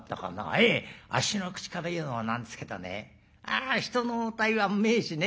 「ええあっしの口から言うのもなんですけどね人の応対はうめえしね